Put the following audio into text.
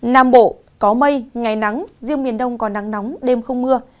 nam bộ có mây ngày nắng riêng miền đông có nắng nóng đêm không mưa